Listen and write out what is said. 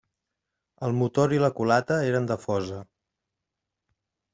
El motor i la culata eren de fosa.